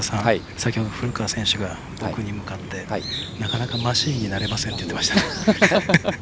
先ほどの古川選手が僕に向かってなかなかマシンになれませんと言っていました。